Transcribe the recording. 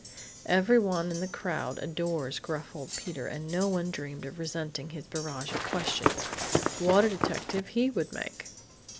Everyone in the crowd adores gruff old Peter and no one dreamed of resenting his barrage of questions. What a detective he would make!